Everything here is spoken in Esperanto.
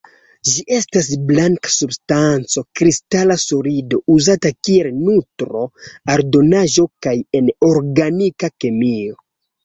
Ĝi estas blanka substanco, kristala solido, uzata kiel nutro-aldonaĵo kaj en organika kemio.